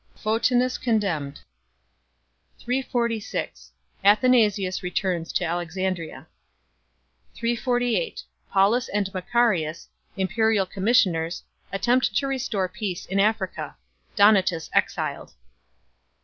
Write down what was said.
Photinus condemned. 346 Athanasius returns to Alexandria. 348 Paulus and Macarius, imperial commissioners, attempt to restore peace in Africa. Donatus exiled.